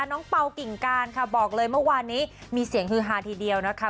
เป่ากิ่งการค่ะบอกเลยเมื่อวานนี้มีเสียงฮือฮาทีเดียวนะคะ